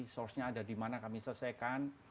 sourcenya ada di mana kami selesaikan